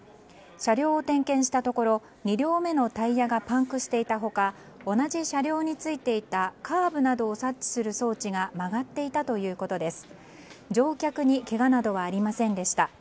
車両を点検したところ２両目のタイヤがパンクしていた他同じ車両についていたカーブなどを察知する装置が曲がっていたということです。